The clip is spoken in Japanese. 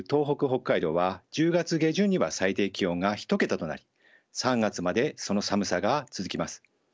北海道は１０月下旬には最低気温が１桁となり３月までその寒さが続きます。